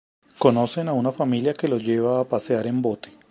Conocen a una familia que los lleva a pasear en bote.